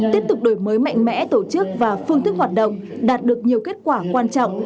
tiếp tục đổi mới mạnh mẽ tổ chức và phương thức hoạt động đạt được nhiều kết quả quan trọng